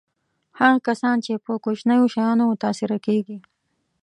هغه کسان چې په کوچنیو شیانو متأثره کېږي.